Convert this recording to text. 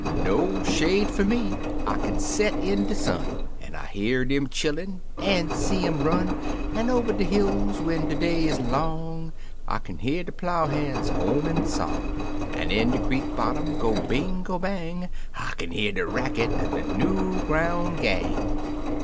No shade fer me! I kin set in de sun, An' hear dem chillun, an' see um run; An' over de hills when de day is long I kin hear de plough han's homin' song. An' in de creek bo\tom—go bing.' go bang / 1 kin hear de racket er de new groun' gang.